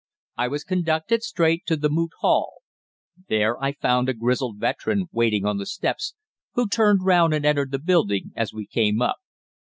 "I was conducted straight to the Moot Hall. There I found a grizzled veteran waiting on the steps, who turned round and entered the building as we came up.